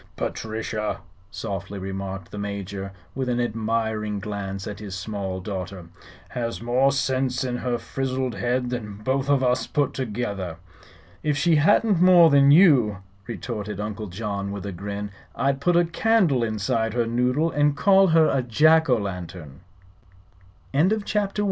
"Patrichia," softly remarked the Major, with an admiring glance at his small daughter, "has more sinse in her frizzled head than both of us put together." "If she hadn't more than you," retorted Uncle John, with a grin, "I'd put a candle inside her noodle and call her a Jack Lantern." CHAPTER II. THE AGENT.